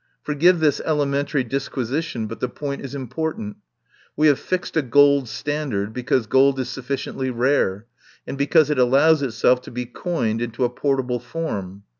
Forgive this elementary disquisition, but the point is important. We have fixed a gold standard, because gold is sufficiently rare, and because it allows itself to be coined into a portable form.